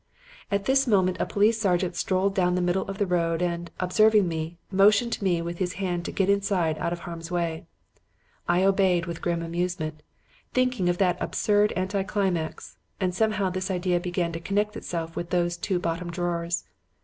"At this moment a police sergeant strolled down the middle of the road and, observing me, motioned to me with his hand to get inside out of harm's way. I obeyed with grim amusement, thinking of that absurd anticlimax; and somehow this idea began to connect itself with those two bottom drawers.